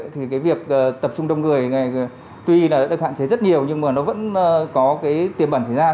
thì việc tập trung đông người tuy được hạn chế rất nhiều nhưng vẫn có tiềm bẩn xảy ra